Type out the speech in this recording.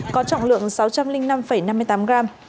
có trọng lượng sáu trăm linh năm năm mươi tám gram